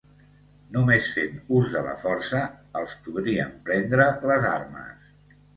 Només fent ús de la força, els podrien prendre les armes